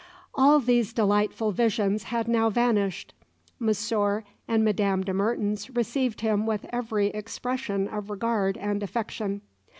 All these delightful visions had now vanished. Monsieur and Madame de Mertens received him with every expression of regard and affection.